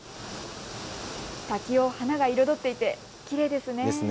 滝を花が彩っていてきれいですね。